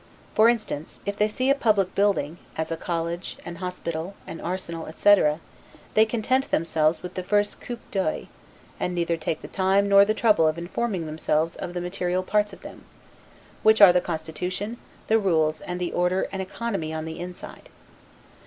For instance, if they see a public building, as a college, an hospital, an arsenal, etc., they content themselves with the first 'coup d'oeil', and neither take the time nor the trouble of informing themselves of the material parts of them; which are the constitution, the rules, and the order and economy in the inside.